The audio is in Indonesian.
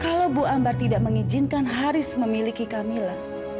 kalau bu ambar tidak mengizinkan haris memiliki camilla